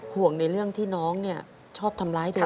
ห่วงในเรื่องที่น้องชอบทำร้ายเธอ